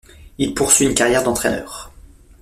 Il poursuit une carrière d'entraîneur.